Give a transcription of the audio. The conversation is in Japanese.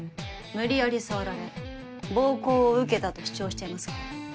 無理やり触られ暴行を受けたと主張していますが